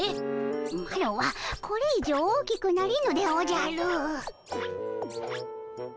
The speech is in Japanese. マロはこれ以上大きくなれぬでおじゃる。